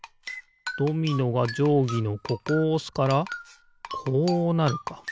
ドミノがじょうぎのここをおすからこうなるか。